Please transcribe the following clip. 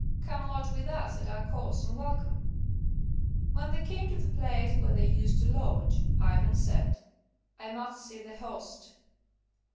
Come lodge with us at our cost, and welcome." When they came to the place where they used to lodge, Ivan said, "I must see the host."